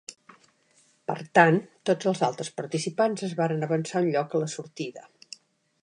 Per tant, tots els altres participants es varen avançar un lloc a la sortida.